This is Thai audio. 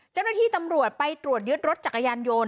เจ้าหน้าที่ตำรวจไปตรวจยึดรถจักรยานโยน